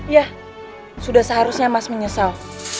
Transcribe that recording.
ya sudah seharusnya mas menyesal